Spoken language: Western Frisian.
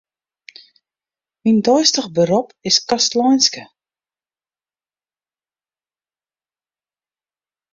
Myn deistich berop is kastleinske.